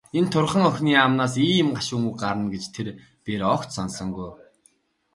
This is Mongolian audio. Энэ турьхан охины амнаас ийм гашуун үг гарна гэж тэр бээр огт санасангүй.